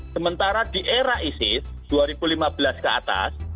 sementara di era isis dua ribu lima belas ke atas